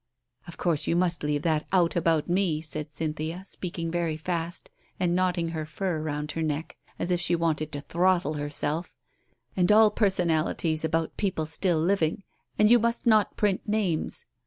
"Of course, you must leave that out about me," said Cynthia, speaking very fast and knotting her fur round her neck as if she wanted to throttle herself, "and all personalities about people still living. And you must not print names.